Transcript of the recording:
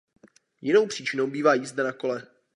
Jinou příčinou bývá jízda na kole.